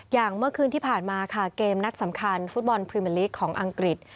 อย่างเมื่อคืนที่ผ่านมาค่ะเกมนัดสำคัญฟุตบอลพรีเมอร์ลีกของอังกฤษ